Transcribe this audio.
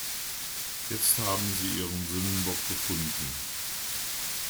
Jetzt haben sie ihren Sündenbock gefunden.